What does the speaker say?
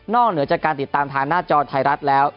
เหนือจากการติดตามทางหน้าจอไทยรัฐแล้ว